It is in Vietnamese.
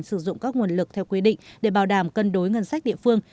sử dụng các nguồn lực theo quy định để bảo đảm cân đối ngân sách địa phương